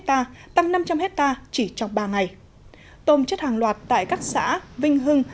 tăng năm trăm linh hectare chỉ trong ba ngày tôm chết hàng loạt tại các xã vinh hưng